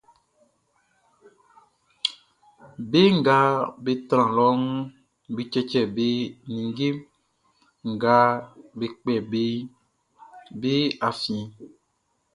Be nga be tran lɔʼn, be cɛcɛ be ninnge nga be kpɛ beʼn be afiɛn.